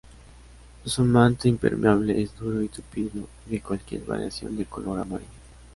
Su manto impermeable es duro y tupido y de cualquier variación de color amarillo.